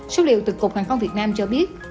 số liệu từ cục hàng không việt nam cho biết